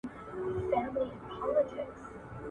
ډلي ډلي مطربان ورته راتلله